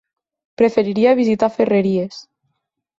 Preferiria visitar Ferreries.